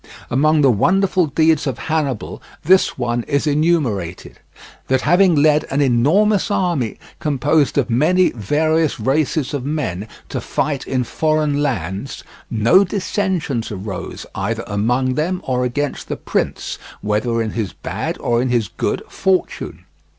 Among the wonderful deeds of Hannibal this one is enumerated: that having led an enormous army, composed of many various races of men, to fight in foreign lands, no dissensions arose either among them or against the prince, whether in his bad or in his good fortune.